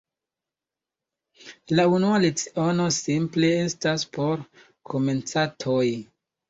La unua leciono simple estas por komencantoj.